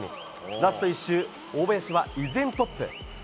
ラスト１周大林は依然トップ。